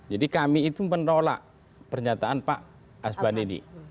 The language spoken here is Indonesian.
jadi kami itu menolak pernyataan pak asban ini